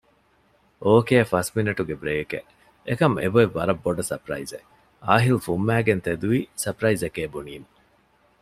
އޯކޭ ފަސް މިނެޓުގެ ބްރޭކެއް އެކަމް އެބޮތް ވަރަށް ބޮޑު ސަޕްރައިޒެއް އާހިލް ފުންމައިގެން ތެދުވީ ސަޕްރައިޒެކޭ ބުނީމަ